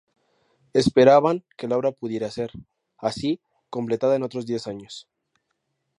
Esperaban que la obra pudiera ser, así, completada en otros diez años.